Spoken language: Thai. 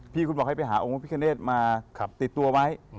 พี่ก็บอกให้ไปหาองค์พระพิคเนธมาติดตัวไว้